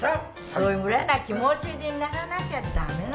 そういうぐらいな気持ちにならなきゃダメなの。